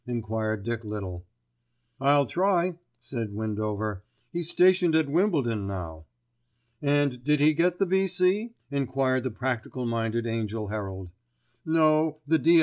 enquired Dick Little. "I'll try," said Windover. "He's stationed at Wimbledon now." "And did he get the V.C.?" enquired the practical minded Angell Herald. "No, the D.